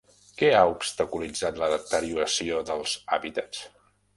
Què ha obstaculitzat la deterioració dels hàbitats?